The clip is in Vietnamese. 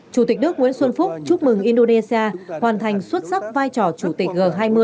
chủ tịch đức nguyễn xuân phúc chúc mừng indonesia hoàn thành xuất sắc vai trò chủ tịch g hai mươi hai nghìn hai mươi hai